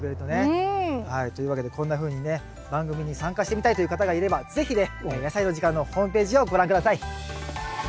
うん。というわけでこんなふうにね番組に参加してみたいという方がいれば是非ね「やさいの時間」のホームページをご覧下さい。